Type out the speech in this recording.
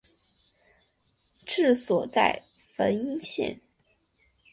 治所在汾阴县。